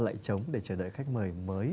lại trống để chờ đợi khách mời mới